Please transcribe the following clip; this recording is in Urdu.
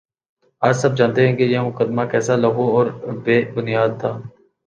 آج سب جانتے ہیں کہ یہ مقدمہ کیسا لغو اور بے بنیادتھا